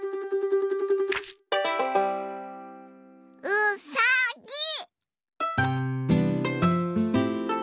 うさぎ。